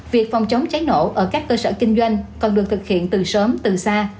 việc phòng chống cháy nổ ở các cơ sở kinh doanh còn được thực hiện từ sớm từ xa